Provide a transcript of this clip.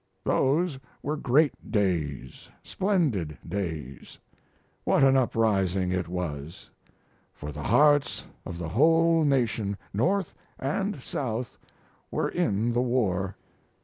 Those were great days, splendid days. What an uprising it was! For the hearts of the whole nation, North and South, were in the war.